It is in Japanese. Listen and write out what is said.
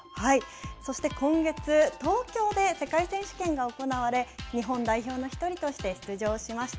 そして今月、東京で世界選手権が行われ、日本代表の１人として出場しました。